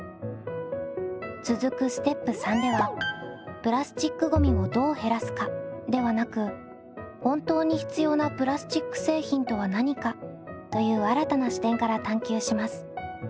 続くステップ③ではプラスチックごみをどう減らすかではなく本当に必要なプラスチック製品とは何かという新たな視点から探究します。